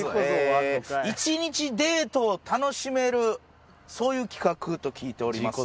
１日デートを楽しめるそういう企画と聞いております。